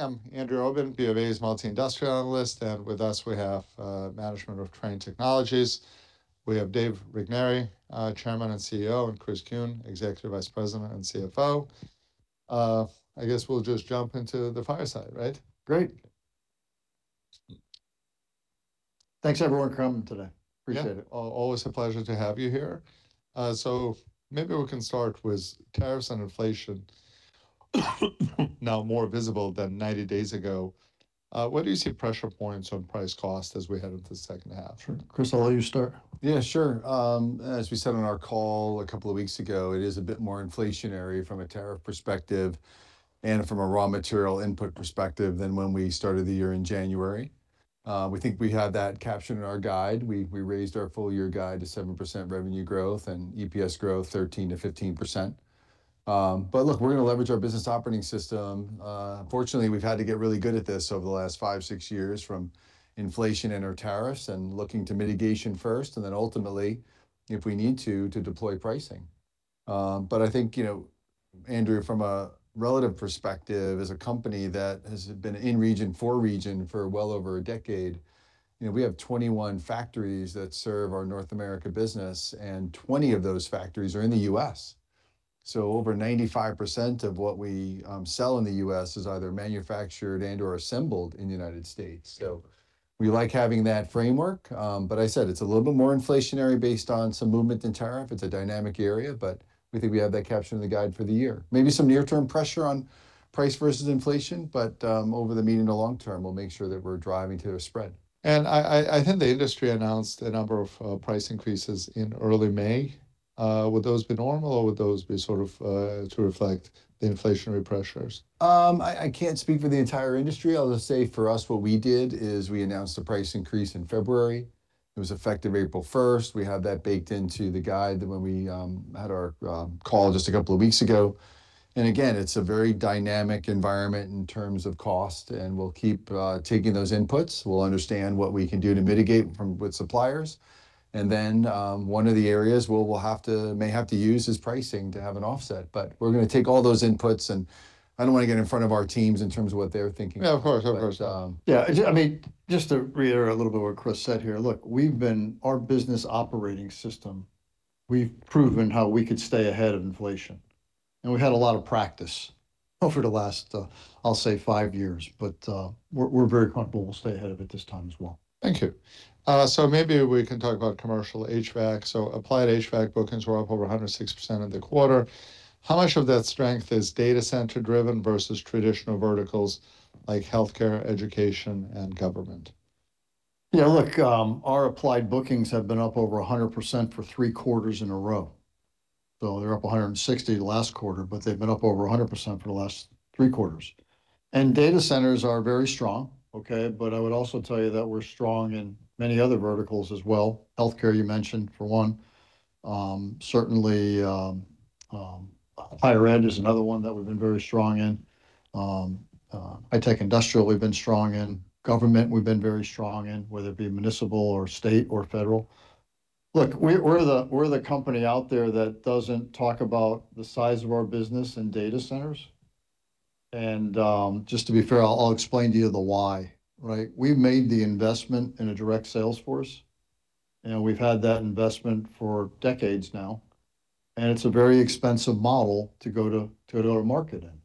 I'm Andrew Obin, BofA's Multi-Industrials Analyst, and with us we have management of Trane Technologies. We have Dave Regnery, Chairman and CEO, and Chris Kuehn, Executive Vice President and CFO. I guess we'll just jump into the fireside, right? Great. Thanks everyone for coming today. Yeah. Appreciate it. Always a pleasure to have you here. Maybe we can start with tariffs and inflation now more visible than 90 days ago. Where do you see pressure points on price cost as we head into the second half? Sure. Chris, I'll let you start. Yeah, sure. As we said on our call a couple of weeks ago, it is a bit more inflationary from a tariff perspective and from a raw material input perspective than when we started the year in January. We think we have that captured in our guide. We raised our full year guide to 7% revenue growth and EPS growth 13%-15%. Look, we're gonna leverage our business operating system. Fortunately, we've had to get really good at this over the last five, six years from inflation and/or tariffs and looking to mitigation first, and then ultimately, if we need to deploy pricing. Andrew, from a relative perspective, as a company that has been in region, for region for well over a decade, we have 21 factories that serve our North America business, and 20 of those factories are in the U.S. Over 95% of what we sell in the U.S. is either manufactured and/or assembled in the United States. We like having that framework. It's a little bit more inflationary based on some movement in tariff. It's a dynamic area but we think we have that captured in the guide for the year. Maybe some near term pressure on price versus inflation but over the medium to long term, we'll make sure that we're driving to a spread. I think the industry announced a number of price increases in early May. Would those be normal, or would those be sort of to reflect the inflationary pressures? I can't speak for the entire industry. I'll just say for us, what we did is we announced the price increase in February. It was effective April 1st. We have that baked into the guide that when we had our call just a couple of weeks ago. Again, it's a very dynamic environment in terms of cost, and we'll keep taking those inputs. We'll understand what we can do to mitigate with suppliers. Then, one of the areas we'll have to, may have to use is pricing to have an offset. We're gonna take all those inputs and I don't want to get in front of our teams in terms of what they're thinking. Yeah, of course. I mean, just to reiterate a little bit what Chris said here. Look, our business operating system, we've proven how we could stay ahead of inflation and we've had a lot of practice over the last, I'll say five years. We're very comfortable we'll stay ahead of it this time as well. Thank you. Maybe we can talk about commercial HVAC. Applied HVAC bookings were up over 106% in the quarter. How much of that strength is data center driven versus traditional verticals like healthcare, education, and government? Yeah, look, our Applied bookings have been up over 100% for three quarters in a row. They're up 160 last quarter, but they've been up over 100% for the last three quarters. Data centers are very strong, okay? I would also tell you that we're strong in many other verticals as well. Healthcare, you mentioned, for one. Certainly, higher ed is another one that we've been very strong in. I take industrial, we've been strong in. Government, we've been very strong in whether it be municipal or state or federal. Look, we're the company out there that doesn't talk about the size of our business in data centers. Just to be fair, I'll explain to you the why, right? We've made the investment in a direct sales force, and we've had that investment for decades now and it's a very expensive model to go to do our market in.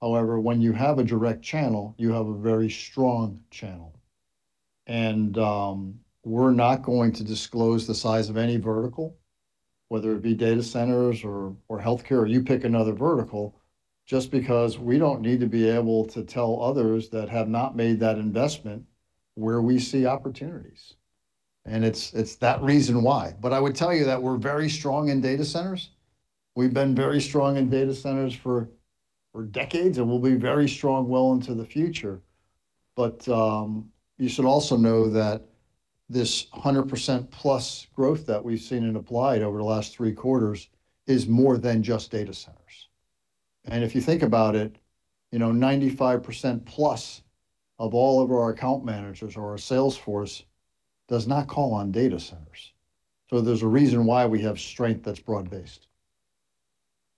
However, when you have a direct channel, you have a very strong channel. We're not going to disclose the size of any vertical whether it be data centers or healthcare, or you pick another vertical, just because we don't need to be able to tell others that have not made that investment where we see opportunities. It's that reason why. I would tell you that we're very strong in data centers. We've been very strong in data centers for decades and we'll be very strong well into the future. You should also know that this 100% plus growth that we've seen in Applied over the last three quarters is more than just data centers. If you think about it, you know, 95% plus of all of our account managers or our sales force does not call on data centers. There's a reason why we have strength that's broad-based.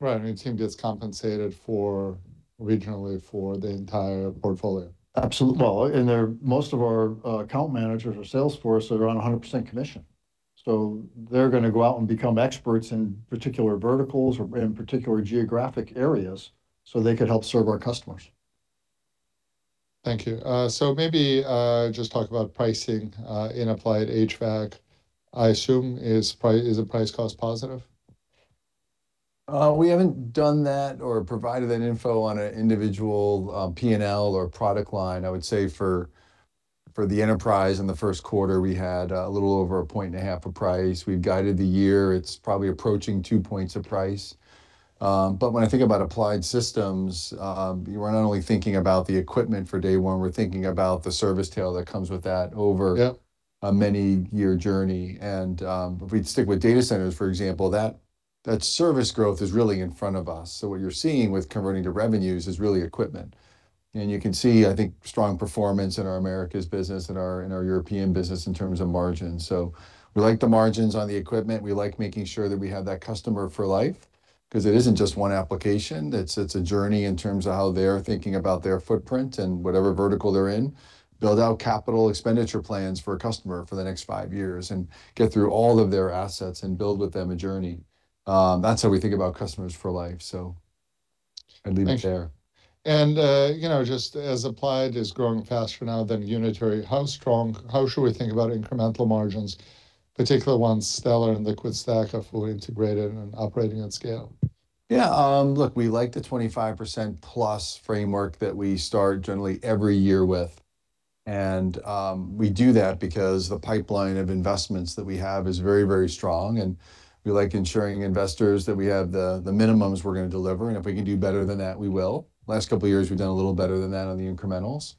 Right. I mean, the team gets compensated for, regionally for the entire portfolio? Absolutely. Well, most of our account managers or sales force are on 100% commission, so they're gonna go out and become experts in particular verticals or in particular geographic areas, so they could help serve our customers. Thank you. Maybe just talk about pricing in Applied HVAC. I assume is it price cost positive? We haven't done that or provided that info on an individual P&L or product line. I would say for the enterprise in the first quarter, we had a little over a point and a half of price. We've guided the year, it's probably approaching two points of price. When I think about applied systems, we're not only thinking about the equipment for day one, we're thinking about the service tail that comes with that. Yeah A many year journey. If we stick with data centers, for example, that service growth is really in front of us. What you're seeing with converting to revenues is really equipment. You can see, I think, strong performance in our Americas business and our, in our European business in terms of margins. We like the margins on the equipment. We like making sure that we have that customer for life. Because it isn't just one application. It's a journey in terms of how they're thinking about their footprint in whatever vertical they're in. Build out capital expenditure plans for a customer for the next five years. Get through all of their assets and build with them a journey. That's how we think about customers for life. I'd leave it there. Thank you. You know, just as applied is growing faster now than Unitary, how should we think about incremental margins, particular ones, Stellar and LiquidStack are fully integrated and operating at scale? Yeah, look, we like the 25%-plus framework that we start generally every year with. We do that because the pipeline of investments that we have is very strong, and we like ensuring investors that we have the minimums we're gonna deliver. If we can do better than that, we will. Last couple of years we've done a little better than that on the incrementals.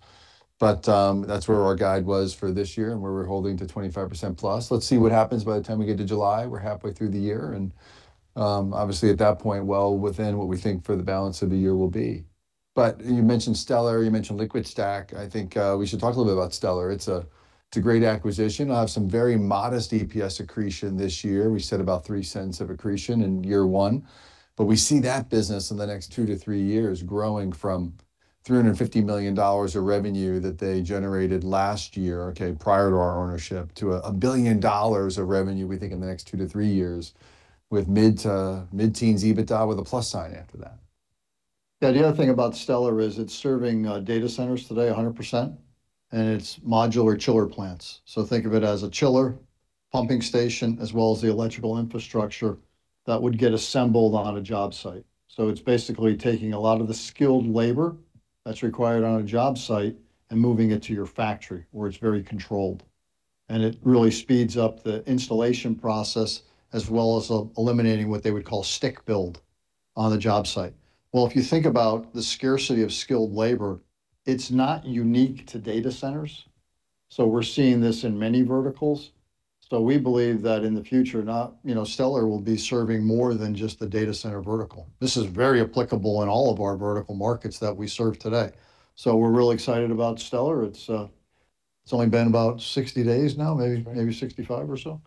That's where our guide was for this year, and where we're holding to 25%+. Let's see what happens by the time we get to July. We're halfway through the year, and obviously at that point well within what we think for the balance of the year will be. You mentioned Stellar, you mentioned LiquidStack. I think we should talk a little bit about Stellar. It's a great acquisition. It'll have some very modest EPS accretion this year. We said about $0.03 of accretion in year one. We see that business in the next two to three years growing from $350 million of revenue that they generated last year, okay, prior to our ownership, to $1 billion of revenue, we think, in the next two to three years, with mid- to mid-teens EBITDA with a plus sign after that. The other thing about Stellar is it's serving data centers today 100%, and it's modular chiller plants. Think of it as a chiller pumping station, as well as the electrical infrastructure that would get assembled on a job site. It's basically taking a lot of the skilled labor that's required on a job site and moving it to your factory, where it's very controlled. It really speeds up the installation process, as well as eliminating what they would call stick-built on the job site. If you think about the scarcity of skilled labor, it's not unique to data centers. We're seeing this in many verticals. We believe that in the future, not, you know, Stellar will be serving more than just the data center vertical. This is very applicable in all of our vertical markets that we serve today. We're real excited about Stellar. It's only been about 60 days now, maybe 65 or so.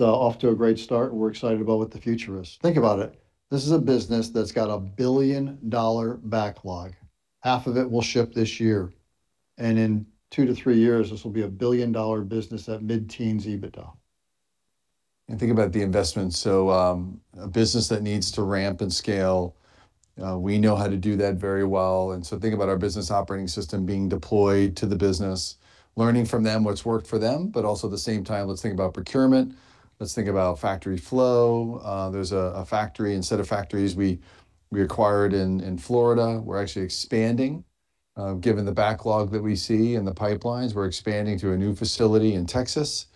Off to a great start, and we're excited about what the future is. Think about it. This is a business that's got a billion-dollar backlog. Half of it will ship this year. In two to three years, this will be a billion-dollar business at mid-teens EBITDA. Think about the investments. A business that needs to ramp and scale, we know how to do that very well. Think about our business operating system being deployed to the business, learning from them what's worked for them but also at the same time, let's think about procurement, let's think about factory flow. There's a factory and set of factories we acquired in Florida. We're actually expanding. Given the backlog that we see in the pipelines, we're expanding to a new facility in Texas.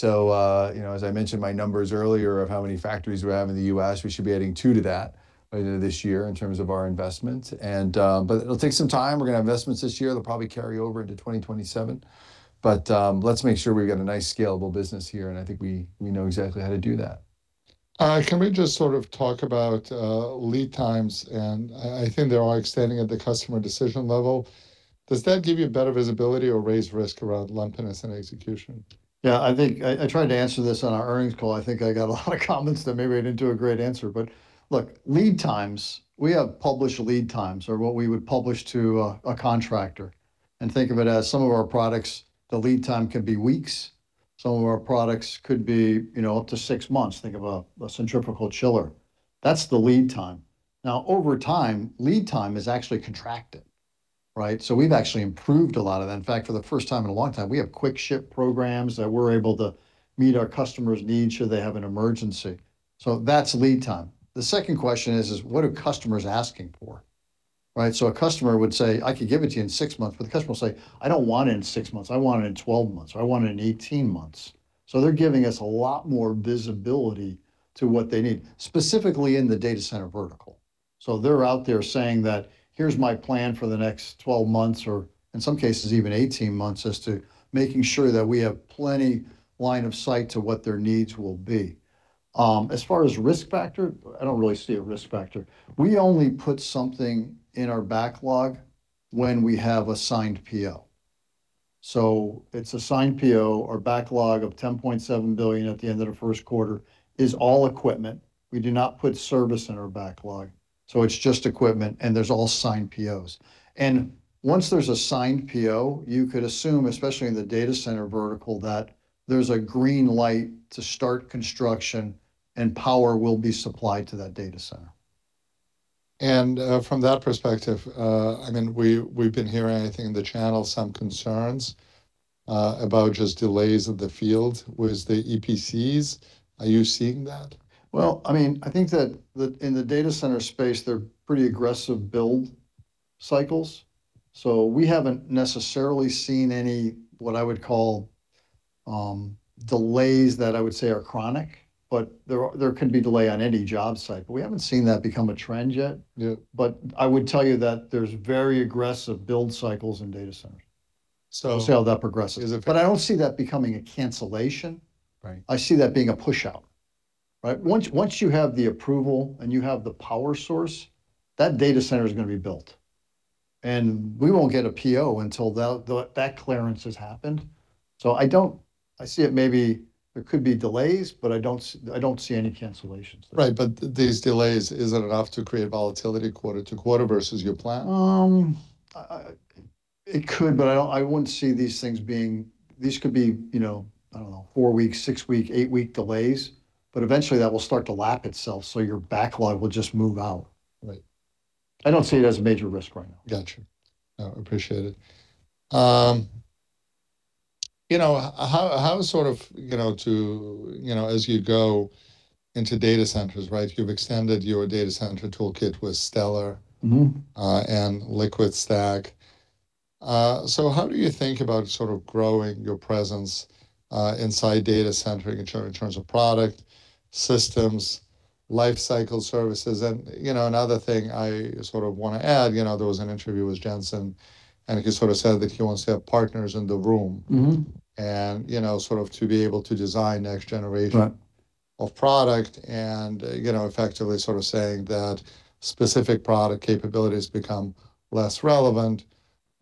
You know, as I mentioned my numbers earlier of how many factories we have in the U.S., we should be adding two to that by the end of this year in terms of our investment but it'll take some time. We're gonna have investments this year that'll probably carry over into 2027. Let's make sure we've got a nice scalable business here, and I think we know exactly how to do that. Can we just sort of talk about lead times and I think they're all extending at the customer decision level. Does that give you better visibility or raise risk around lumpiness and execution? Yeah, I think I tried to answer this on our earnings call. I think I got a lot of comments that maybe I didn't do a great answer. Look, lead times, we have published lead times or what we would publish to a contractor. Think of it as some of our products, the lead time could be weeks. Some of our products could be, you know, up to six months. Think of a centrifugal chiller. That's the lead time. Over time, lead time has actually contracted, right. We've actually improved a lot of that. In fact, for the first time in a long time, we have quick ship programs that we're able to meet our customers' needs should they have an emergency. That's lead time. The second question is, what are customers asking for? Right. A customer would say, "I could give it to you in six months," but the customer will say, "I don't want it in six months. I want it in 12 months," or, "I want it in 18 months." They're giving us a lot more visibility to what they need, specifically in the data center vertical. They're out there saying that, "Here's my plan for the next 12 months," or in some cases even 18 months, as to making sure that we have plenty line of sight to what their needs will be. As far as risk factor, I don't really see a risk factor. We only put something in our backlog when we have a signed PO. It's a signed PO. Our backlog of $10.7 billion at the end of the first quarter is all equipment. We do not put service in our backlog, so it's just equipment and there's all signed POs. Once there's a signed PO, you could assume especially, in the data center vertical, that there's a green light to start construction and power will be supplied to that data center. From that perspective, I mean, we've been hearing, I think, in the channel some concerns about just delays of the field with the EPCs. Are you seeing that? Well, I mean, I think that in the data center space, they're pretty aggressive build cycles. We haven't necessarily seen any, what I would call, delays that I would say are chronic. There can be delay on any job site, we haven't seen that become a trend yet. Yeah. I would tell you that there's very aggressive build cycles in data centers. We'll see how that progresses. I don't see that becoming a cancellation. Right. I see that being a pushout, right? Once you have the approval and you have the power source, that data center is going to be built. We won't get a PO until that clearance has happened. I see it maybe there could be delays but I don't see any cancellations. Right. These delays, is it enough to create volatility quarter to quarter versus your plan? It could but I don't. I wouldn't see these things being, these could be, you know, I don't know, four-week, six-week, eight-week delays, but eventually that will start to lap itself, so your backlog will just move out. Right. I don't see it as a major risk right now. Gotcha. No, appreciate it. You know, how sort of, you know, as you go into data centers, right? You've extended your data center toolkit with Stellar and LiquidStack. How do you think about growing your presence inside data center in terms of product, systems, life cycle services? Another thing I wanna add, there was an interview with Jensen, and he said that he wants to have partners in the room. You know, sort of to be able to design next generation. Right Of product and, you know, effectively sort of saying that specific product capabilities become less relevant.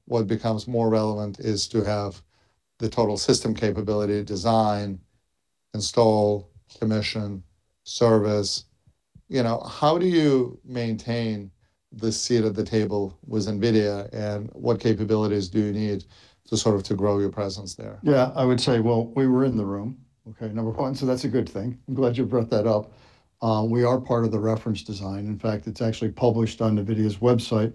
What becomes more relevant is to have the total system capability design install commission service. You know, how do you maintain the seat at the table with Nvidia, and what capabilities do you need to sort of to grow your presence there? Yeah. I would say, well, we were in the room, okay? Number one, that's a good thing. I'm glad you brought that up. We are part of the reference design. In fact, it's actually published on Nvidia's website.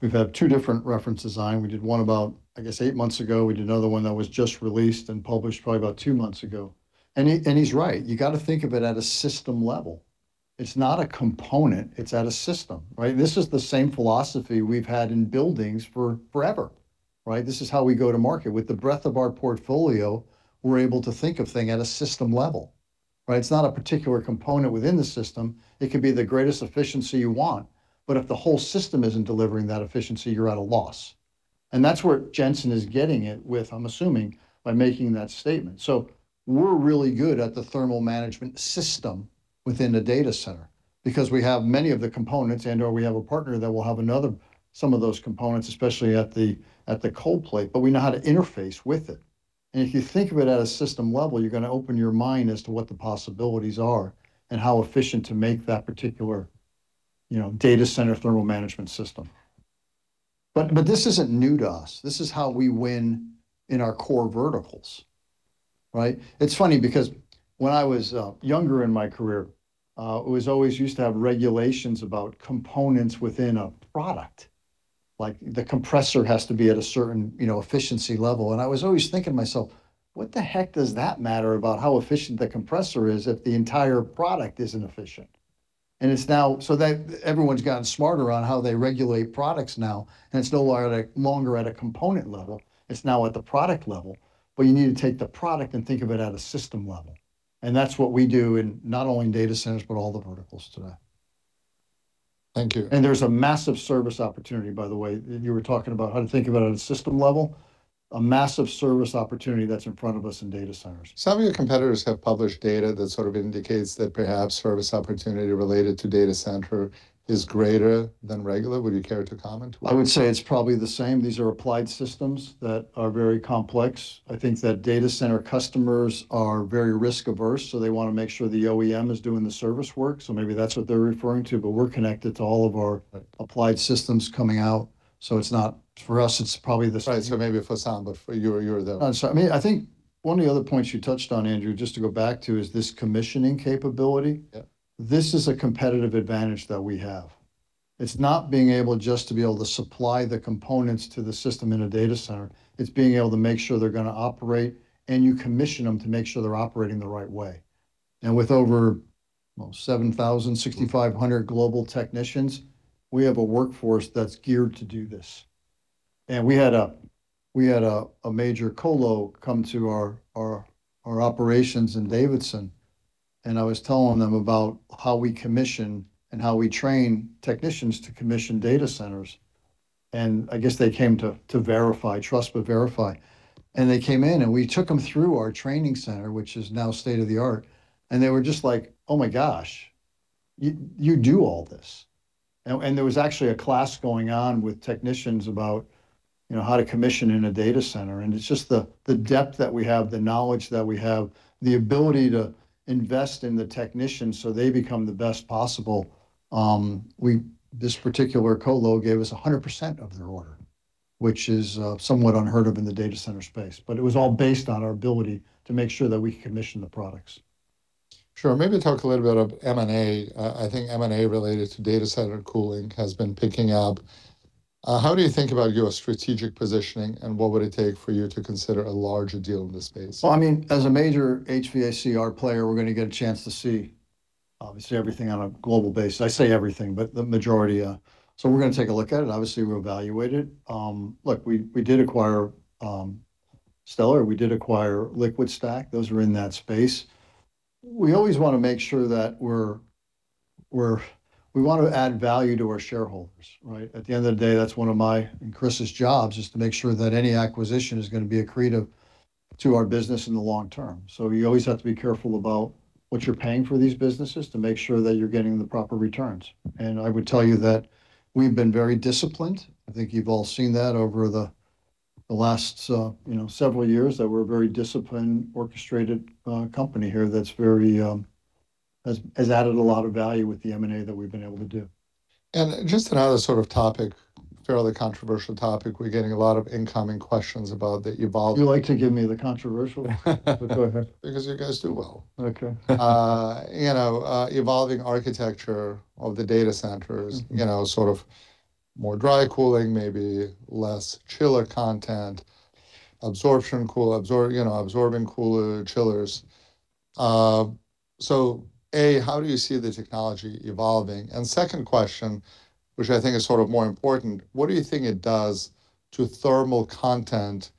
We've had two different reference design. We did one about, I guess, eight months ago. We did another one that was just released and published probably about two months ago. He's right. You gotta think of it at a system level. It's not a component, it's at a system, right? This is the same philosophy we've had in buildings for forever, right? This is how we go to market. With the breadth of our portfolio, we're able to think of thing at a system level, right? It's not a particular component within the system. It could be the greatest efficiency you want but if the whole system isn't delivering that efficiency, you're at a loss. That's where Jensen is getting it with, I'm assuming, by making that statement. We're really good at the thermal management system within the data center because we have many of the components and/or we have a partner that will have another some of those components, especially at the, at the cold plate, but we know how to interface with it. If you think of it at a system level, you're gonna open your mind as to what the possibilities are and how efficient to make that particular, you know, data center thermal management system. This isn't new to us. This is how we win in our core verticals, right? It's funny when I was younger in my career, it was always used to have regulations about components within a product. Like the compressor has to be at a certain, you know, efficiency level. I was always thinking to myself, "What the heck does that matter about how efficient the compressor is if the entire product is inefficient?" It's now, everyone's gotten smarter on how they regulate products now, and it's no longer at a component level, it's now at the product level. You need to take the product and think of it at a system level, and that's what we do in not only in data centers but all the verticals today. Thank you. There's a massive service opportunity, by the way. You were talking about how to think about it at a system level. A massive service opportunity that's in front of us in data centers. Some of your competitors have published data that sort of indicates that perhaps service opportunity related to data center is greater than regular. Would you care to comment? I would say it's probably the same. These are applied systems that are very complex. I think that data center customers are very risk averse. They wanna make sure the OEM is doing the service work. Maybe that's what they're referring to. We're connected to all of our applied systems coming out. For us, it's probably the same. Right. Maybe for some, but for you're there. I'm sorry. I mean, I think one of the other points you touched on, Andrew, just to go back to, is this commissioning capability. Yeah. This is a competitive advantage that we have. It's not being able just to be able to supply the components to the system in a data center. It's being able to make sure they're gonna operate, and you commission them to make sure they're operating the right way. With over, well, 7,000 6,500 global technicians, we have a workforce that's geared to do this. We had a major co-lo come to our operations in Davidson, and I was telling them about how we commission and how we train technicians to commission data centers. I guess they came to verify, trust but verify. They came in and we took them through our training center which is now state of the art, and they were just like, "Oh my gosh, you do all this." There was actually a class going on with technicians about, you know, how to commission in a data center. It's just the depth that we have, the knowledge that we have, the ability to invest in the technicians so they become the best possible. This particular co-lo gave us 100% of their order, which is somewhat unheard of in the data center space. It was all based on our ability to make sure that we can commission the products. Sure. Maybe talk a little bit of M&A. I think M&A related to data center cooling has been picking up. How do you think about your strategic positioning, and what would it take for you to consider a larger deal in this space? Well, I mean, as a major HVACR player, we're gonna get a chance to see obviously everything on a global basis. I say everything but the majority. We're gonna take a look at it. Obviously, we evaluate it. Look, we did acquire Stellar. We did acquire LiquidStack. Those were in that space. We always wanna make sure that we want to add value to our shareholders, right? At the end of the day, that's one of my and Chris's jobs, is to make sure that any acquisition is gonna be accretive to our business in the long term. You always have to be careful about what you're paying for these businesses to make sure that you're getting the proper returns. I would tell you that we've been very disciplined. I think you've all seen that over the last, you know, several years, that we're a very disciplined, orchestrated, company here that's very, has added a lot of value with the M&A that we've been able to do. Just another sort of topic, fairly controversial topic, we're getting a lot of incoming questions about the. You like to give me the controversial ones. Go ahead. Because you guys do well. Okay. You know, evolving architecture of the data centers. You know, sort of more dry cooling, maybe less chiller content, you know, absorbing cooler chillers. A, how do you see the technology evolving? Second question, which I think is sort of more important, what do you think it does to thermal content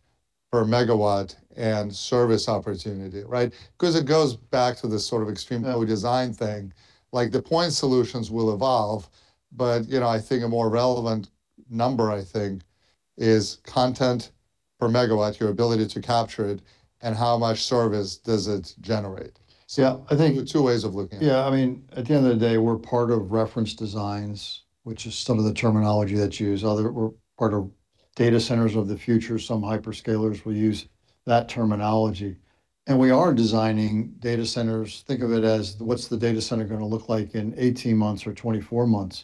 per megawatt and service opportunity, right? Because it goes back to this sort of extreme design thing. Like the point solutions will evolve but, you know, I think a more relevant number I think is content per megawatt, your ability to capture it, and how much service does it generate? Yeah. I think there two ways of looking at it. Yeah, I mean, at the end of the day, we're part of Reference Designs, which is some of the terminology that's used. Other we're part of data centers of the future. Some hyperscalers will use that terminology. We are designing data centers, think of it as what's the data center gonna look like in 18 months or 24 months,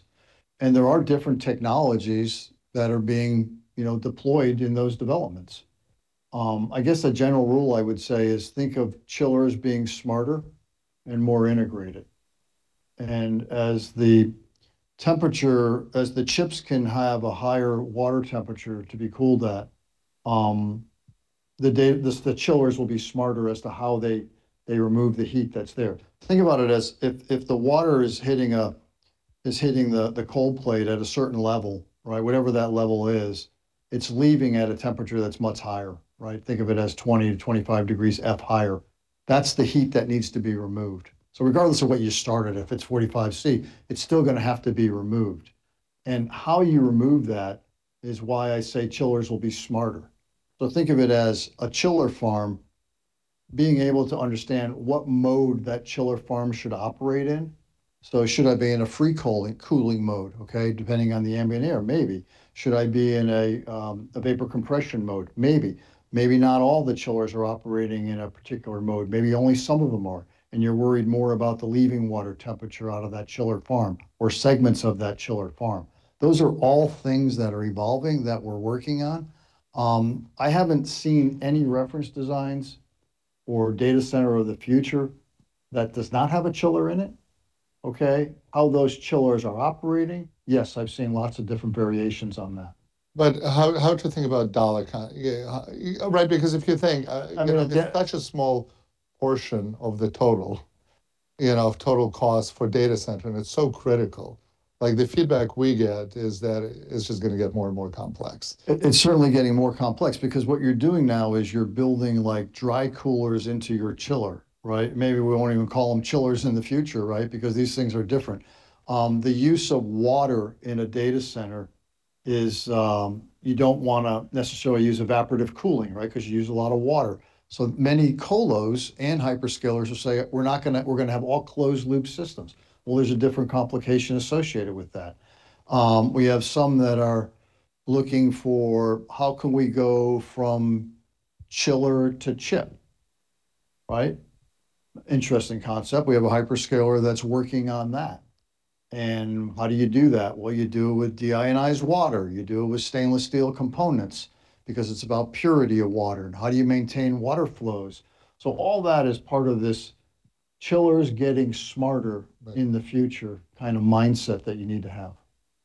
and there are different technologies that are being, you know, deployed in those developments. I guess a general rule I would say is think of chillers being smarter and more integrated. As the chips can have a higher water temperature to be cooled at, the chillers will be smarter as to how they remove the heat that's there. Think about it as if the water is hitting the cold plate at a certain level, right. Whatever that level is, it's leaving at a temperature that's much higher. Think of it as 20-25 degrees Fahrenheit higher. That's the heat that needs to be removed. Regardless of what you started, if it's 45 degrees Celsius, it's still gonna have to be removed, and how you remove that is why I say chillers will be smarter. Think of it as a chiller farm being able to understand what mode that chiller farm should operate in. Should I be in a free cooling mode, okay. Depending on the ambient air? Maybe. Should I be in a vapor compression mode? Maybe. Maybe not all the chillers are operating in a particular mode. Maybe only some of them are, and you're worried more about the leaving water temperature out of that chiller farm or segments of that chiller farm. Those are all things that are evolving that we're working on. I haven't seen any Reference Designs or data center of the future that does not have a chiller in it. Okay? How those chillers are operating, yes, I've seen lots of different variations on that. How to think about dollar yeah, right. I mean. It's such a small portion of the total, you know, of total cost for data center and it's so critical. Like the feedback we get is that it's just gonna get more and more complex. It's certainly getting more complex because what you're doing now is you're building like dry coolers into your chiller, right? Maybe we won't even call them chillers in the future, right? These things are different. The use of water in a data center is, you don't wanna necessarily use evaporative cooling, right? You use a lot of water. Many colos and hyperscalers will say, "We're gonna have all closed loop systems." Well, there's a different complication associated with that. We have some that are looking for how can we go from chiller to chip, right? Interesting concept. We have a hyperscaler that's working on that. How do you do that? Well, you do it with deionized water. You do it with stainless steel components because it's about purity of water. How do you maintain water flows? All that is part of this chillers getting smarter. Right. In the future kind of mindset that you need to have.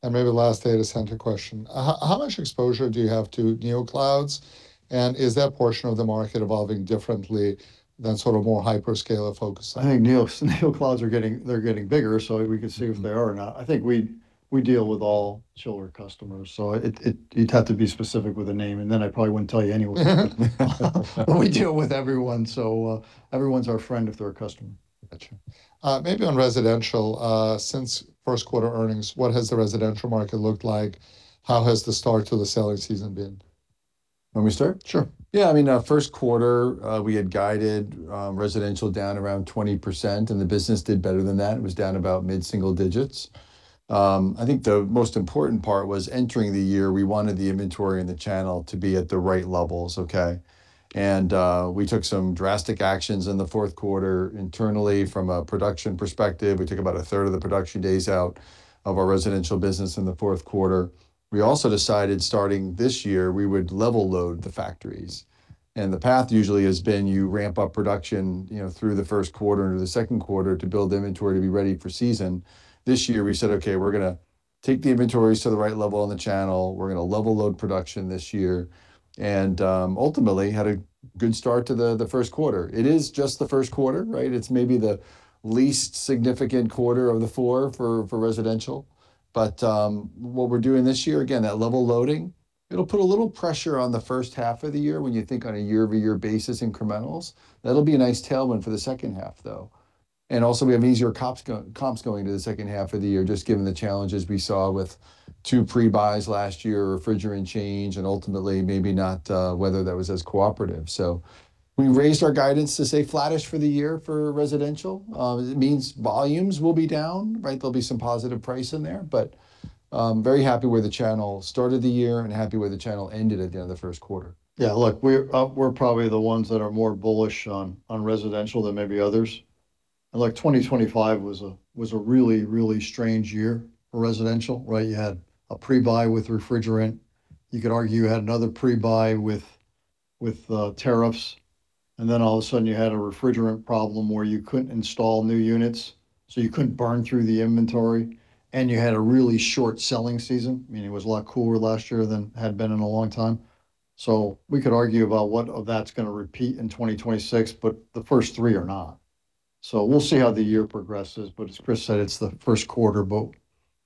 Maybe last data center question. How much exposure do you have to neoclouds, and is that portion of the market evolving differently than sort of more hyperscaler focused? I think neocloud they're getting bigger, we can see if they are or not. I think we deal with all chiller customers, It'd to be specific with a name, and then I probably wouldn't tell you anyway. We deal with everyone, so everyone's our friend if they're a customer. Gotcha. Maybe on residential, since first quarter earnings, what has the residential market looked like? How has the start to the selling season been? Want me to start? Sure. Yeah. I mean, first quarter, we had guided residential down around 20%. The business did better than that. It was down about mid-single digits. I think the most important part was entering the year, we wanted the inventory in the channel to be at the right levels. We took some drastic actions in the fourth quarter internally from a production perspective. We took about a third of the production days out of our residential business in the fourth quarter. We also decided starting this year we would level load the factories. The path usually has been you ramp up production, you know, through the first quarter into the second quarter to build inventory to be ready for season. This year we said, "Okay, we're gonna take the inventories to the right level in the channel. We're gonna level load production this year. Ultimately had a good start to the first quarter. It is just the first quarter, right? It's maybe the least significant quarter of the four for residential. What we're doing this year, again, that level loading, it'll put a little pressure on the first half of the year when you think on a year-over-year basis incrementals. That'll be a nice tailwind for the second half, though. Also we have easier comps going to the second half of the year, just given the challenges we saw with two pre-buys last year, refrigerant change, and ultimately maybe not, whether that was as cooperative. We raised our guidance to say flattish for the year for residential. It means volumes will be down, right? There'll be some positive price in there. Very happy where the channel started the year and happy where the channel ended at the end of the first quarter. Yeah, look, we're probably the ones that are more bullish on residential than maybe others. Like, 2025 was a really strange year for residential, right? You had a pre-buy with refrigerant. You could argue you had another pre-buy with tariffs and then all of a sudden you had a refrigerant problem where you couldn't install new units, so you couldn't burn through the inventory, and you had a really short selling season, meaning it was a lot cooler last year than had been in a long time. We could argue about what of that's gonna repeat in 2026, but the first three are not. We'll see how the year progresses but as Chris said, it's the first quarter, but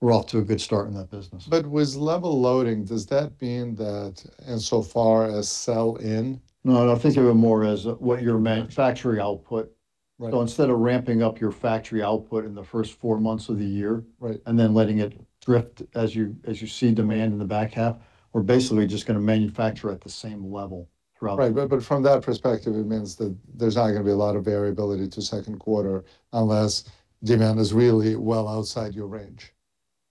we're off to a good start in that business. With level loading, does that mean that insofar as sell in? No, no, think of it more as what you mean't factory output. Right. Instead of ramping up your factory output in the first four months of the year. Right Then letting it drift as you see demand in the back half, we're basically just gonna manufacture at the same level throughout the year. Right. From that perspective, it means that there's not going to be a lot of variability to second quarter unless demand is really well outside your range.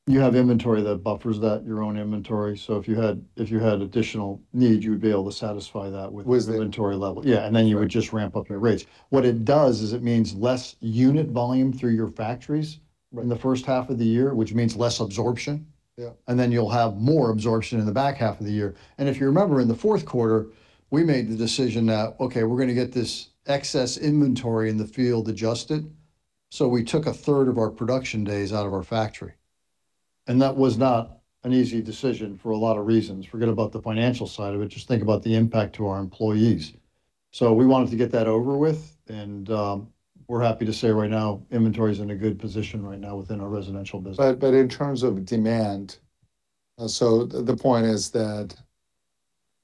You have inventory that buffers that, your own inventory. If you had additional need, you would be able to satisfy that. With the- Inventory levels. Yeah, you would just ramp up your rates. What it does is it means less unit volume through your factories in the first half of the year, which means less absorption. Yeah. Then you'll have more absorption in the back half of the year. If you remember, in the fourth quarter, we made the decision that, okay, we're gonna get this excess inventory in the field adjusted, so we took a third of our production days out of our factory. That was not an easy decision for a lot of reasons. Forget about the financial side of it, just think about the impact to our employees. We wanted to get that over with and, we're happy to say right now inventory's in a good position right now within our residential business. In terms of demand, so the point is that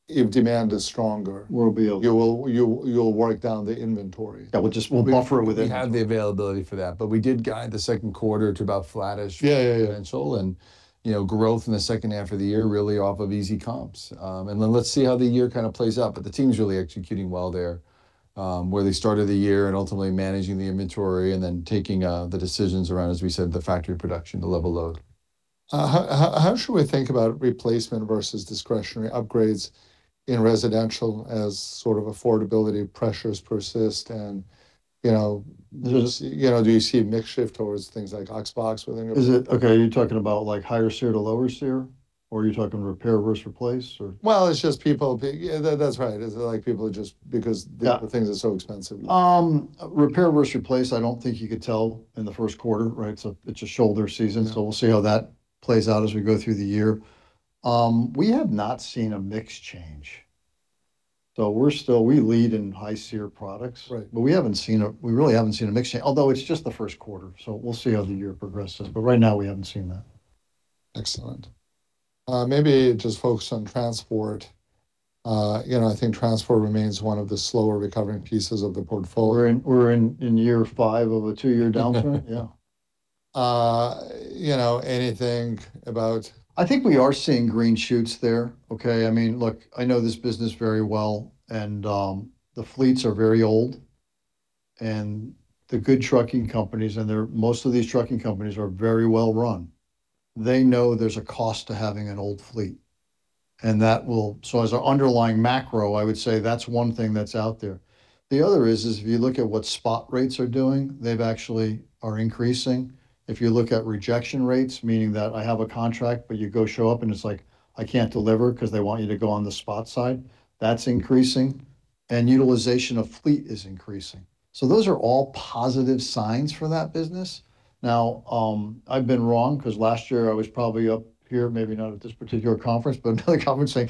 if demand is stronger- We'll be okay. You will, you'll work down the inventory. Yeah, we'll buffer with inventory. We have the availability for that, we did guide the second quarter to about flattish. Yeah, yeah. Potential and, you know, growth in the second half of the year really off of easy comps. Let's see how the year kind of plays out, but the team's really executing well there, where they started the year and ultimately managing the inventory and then taking the decisions around, as we said, the factory production, the level load. How should we think about replacement versus discretionary upgrades in residential as sort of affordability pressures persist and, you know, there's a mix shift towards things like Oxbox? Is it okay, are you talking about, like, higher SEER to lower SEER or are you talking repair versus replace or? Well, it's just people. Yeah, that's right. It's, like, people are just. Yeah The things are so expensive. Repair versus replace, I don't think you could tell in the first quarter, right? It's a shoulder season. Yeah. We'll see how that plays out as we go through the year. We have not seen a mix change, so we lead in high SEER products. Right. We really haven't seen a mix change. It's just the first quarter, so we'll see how the year progresses, but right now we haven't seen that. Excellent. Maybe just focus on transport. You know, I think transport remains one of the slower recovering pieces of the portfolio. We're in year five of a two-year downturn. Yeah. You know. I think we are seeing green shoots there. I mean, look, I know this business very well, the fleets are very old and the good trucking companies, most of these trucking companies are very well run. They know there's a cost to having an old fleet. As an underlying macro, I would say that's one thing that's out there. The other is if you look at what spot rates are doing, they've actually are increasing. If you look at rejection rates, meaning that I have a contract, but you go show up and it's like, "I can't deliver," because they want you to go on the spot side, that's increasing. Utilization of fleet is increasing. Those are all positive signs for that business. I've been wrong because last year I was probably up here, maybe not at this particular conference, but another conference saying,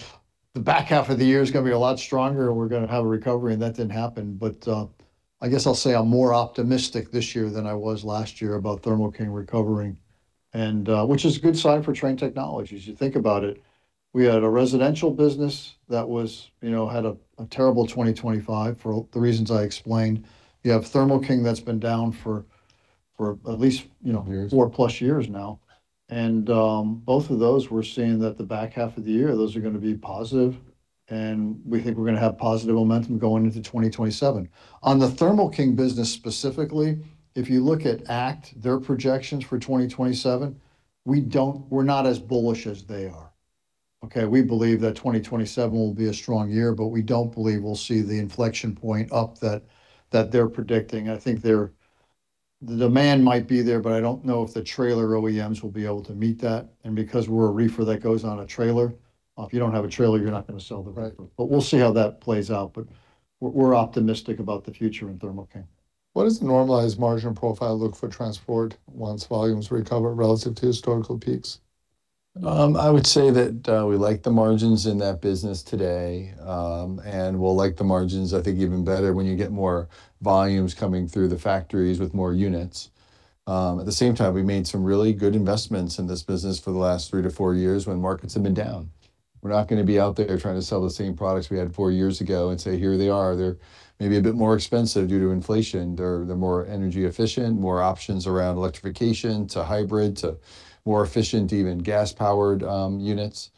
"The back half of the year is gonna be a lot stronger and we're gonna have a recovery," and that didn't happen. I guess I'll say I'm more optimistic this year than I was last year about Thermo King recovering and which is a good sign for Trane Technologies. You think about it, we had a residential business that was, you know, had a terrible 2025 for the reasons I explained. You have Thermo King that's been down for at least, you know. Years. Four plus years now. Both of those we're seeing that the back half of the year, those are gonna be positive and we think we're gonna have positive momentum going into 2027. On the Thermo King business specifically, if you look at ACT, their projections for 2027, we're not as bullish as they are, okay? We believe that 2027 will be a strong year, we don't believe we'll see the inflection point up that they're predicting. I think the demand might be there, I don't know if the trailer OEMs will be able to meet that. Because we're a reefer that goes on a trailer, if you don't have a trailer, you're not gonna sell the reefer. Right. We'll see how that plays out, but we're optimistic about the future in Thermo King. What does the normalized margin profile look for transport once volumes recover relative to historical peaks? I would say that we like the margins in that business today, and we'll like the margins I think even better when you get more volumes coming through the factories with more units. At the same time, we made some really good investments in this business for the last three to four years when markets have been down. We're not gonna be out there trying to sell the same products we had four years ago and say, "Here they are." They're maybe a bit more expensive due to inflation. They're more energy efficient, more options around electrification, to hybrid, to more efficient even gas-powered units.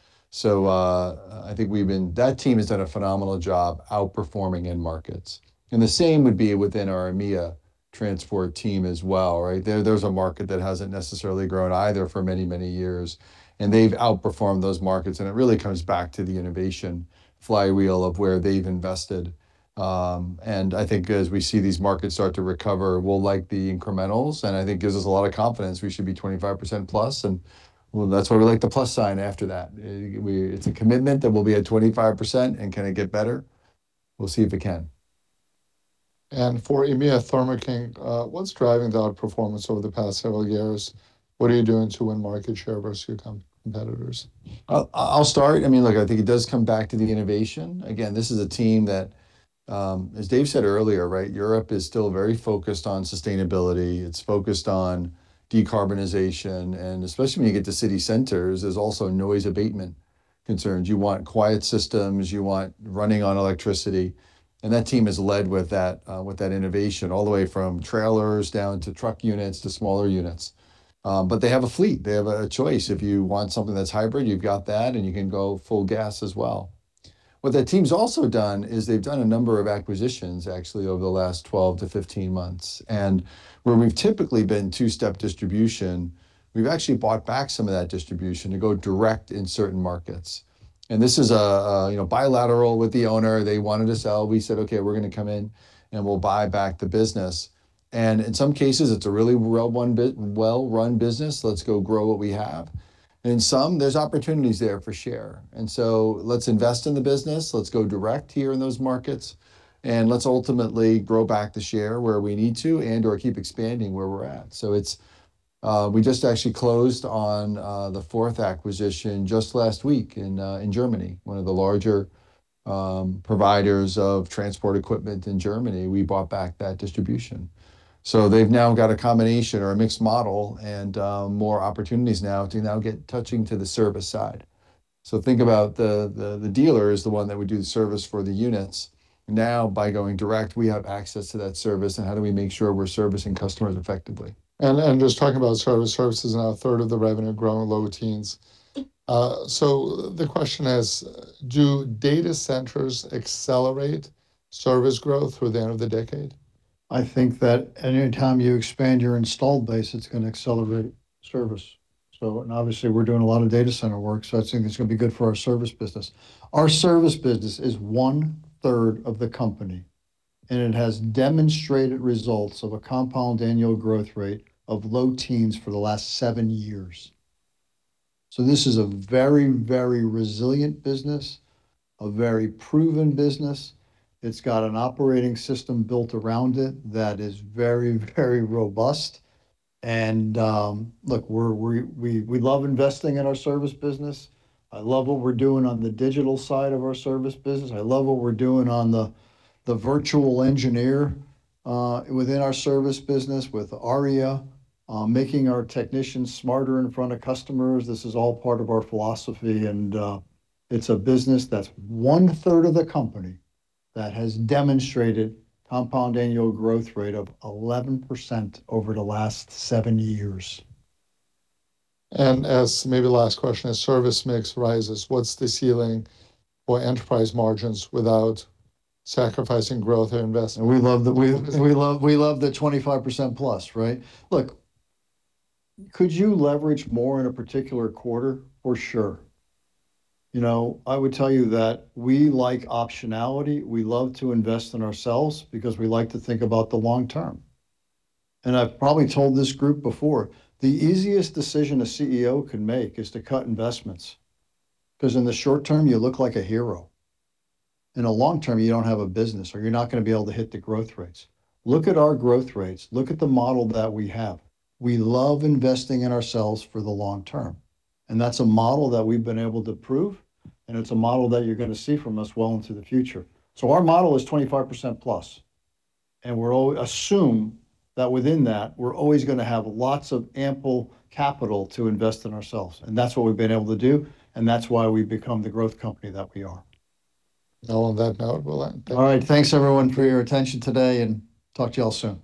I think that team has done a phenomenal job outperforming in markets. The same would be within our EMEA transport team as well, right? There's a market that hasn't necessarily grown either for many, many years, and they've outperformed those markets, and it really comes back to the innovation flywheel of where they've invested. I think as we see these markets start to recover, we'll like the incrementals, and I think gives us a lot of confidence we should be 25% plus and, well, that's why we like the plus sign after that. It's a commitment that we'll be at 25%, and can it get better? We'll see if it can. For EMEA Thermo King, what's driving that performance over the past several years? What are you doing to win market share versus your competitors? I'll start. I mean, look, I think it does come back to the innovation. Again, this is a team that, as Dave said earlier, right? Europe is still very focused on sustainability. It's focused on decarbonization, and especially when you get to city centers, there's also noise abatement concerns. You want quiet systems, you want running on electricity, and that team has led with that, with that innovation, all the way from trailers down to truck units to smaller units. They have a fleet. They have a choice. If you want something that's hybrid, you've got that, and you can go full gas as well. What that team's also done is they've done a number of acquisitions actually over the last 12 to 15 months. Where we've typically been two-step distribution, we've actually bought back some of that distribution to go direct in certain markets. This is, you know, bilateral with the owner. They wanted to sell. We said, "Okay, we're gonna come in, and we'll buy back the business." In some cases, it's a really well-run business. Let's go grow what we have. In some, there's opportunities there for share and so let's invest in the business, let's go direct here in those markets, and let's ultimately grow back the share where we need to and/or keep expanding where we're at. It's we just actually closed on the fourth acquisition just last week in Germany, one of the larger providers of transport equipment in Germany. We bought back that distribution. They've now got a combination or a mixed model, more opportunities now to get touching to the service side. Think about the dealer is the one that would do the service for the units. By going direct, we have access to that service, how do we make sure we're servicing customers effectively? Just talking about service. Service is now a third of the revenue growing low teens. The question is, do data centers accelerate service growth through the end of the decade? I think that any time you expand your installed base, it's gonna accelerate service. And obviously, we're doing a lot of data center work, so I think it's gonna be good for our service business. Our service business is one third of the company, and it has demonstrated results of a compound annual growth rate of low teens for the last seven years. This is a very resilient business, a very proven business. It's got an operating system built around it that is very robust. Look, we love investing in our service business. I love what we're doing on the digital side of our service business. I love what we're doing on the virtual engineer within our service business with ARIA, making our technicians smarter in front of customers. This is all part of our philosophy and, it's a business that's one-third of the company that has demonstrated compound annual growth rate of 11% over the last seven years. As maybe last question, as service mix rises, what's the ceiling for enterprise margins without sacrificing growth or investment? We love the 25%+, right? Look, could you leverage more in a particular quarter? For sure. You know, I would tell you that we like optionality. We love to invest in ourselves because we like to think about the long term. I've probably told this group before, the easiest decision a CEO can make is to cut investments, because in the short term, you look like a hero. In a long term, you don't have a business, or you're not gonna be able to hit the growth rates. Look at our growth rates. Look at the model that we have. We love investing in ourselves for the long term, and that's a model that we've been able to prove, and it's a model that you're gonna see from us well into the future. Our model is 25%+, and we assume that within that, we're always gonna have lots of ample capital to invest in ourselves, and that's what we've been able to do, and that's why we've become the growth company that we are. On that note, we'll end. Thank you. All right. Thanks everyone for your attention today, and talk to you all soon.